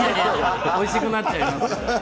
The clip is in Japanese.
おいしくなっちゃいます。